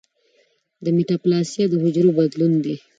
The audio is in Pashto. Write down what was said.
د میټاپلاسیا د حجرو بدلون دی.